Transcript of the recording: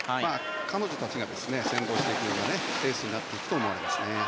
彼女たちが先行していくようなレースになっていくと思います。